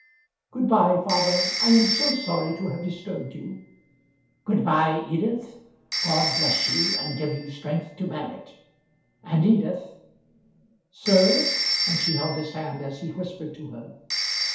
"Good bye, father; I am so sorry to have disturbed you." "Good bye, Edith; God bless you, and give you strength to bear it. And, Edith " "Sir?" and she held his hand as he whispered to her.